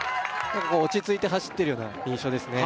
落ち着いて走ってるような印象ですね